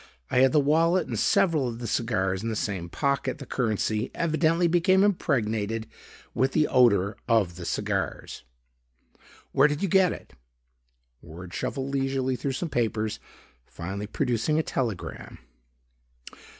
I had the wallet and several of the cigars in the same pocket. The currency evidently became impregnated with the odor of the cigars. Where did you get it?" Ward shuffled leisurely through some papers, finally producing a telegram.